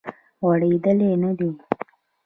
غړیدلې نه دی